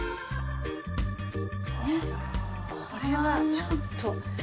・これはちょっと。